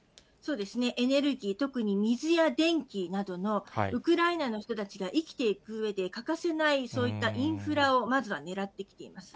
エネルギー、特に水や電気などのウクライナの人たちが生きていくうえで欠かせない、そういったインフラをまずは狙ってきています。